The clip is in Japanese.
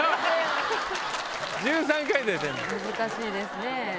難しいですね。